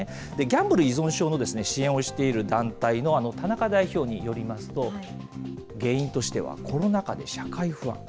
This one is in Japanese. ギャンブル依存症の支援をしている団体の田中代表によりますと、原因としては、コロナ禍で社会不安。